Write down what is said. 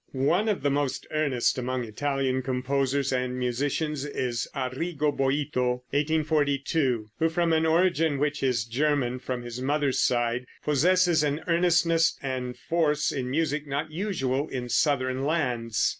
One of the most earnest among Italian composers and musicians is Arrigo Boito (1842), who, from an origin which is German from his mother's side, possesses an earnestness and force in music not usual in southern lands.